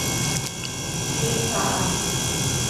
Siifp aha.